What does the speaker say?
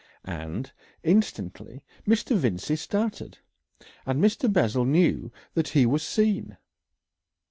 And instantly Mr. Vincey started, and Mr. Bessel knew that he was seen.